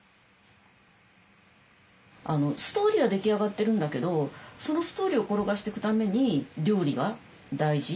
ストーリーは出来上がってるんだけどそのストーリーを転がしていくために料理が大事。